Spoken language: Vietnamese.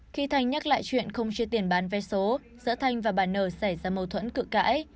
khi thanh nhắc lại chuyện không chia tiền bán vé số giữa thanh và bà nở xảy ra mâu thuẫn cự cãi